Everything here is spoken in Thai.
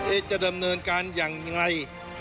จะดำเนินการอย่างไร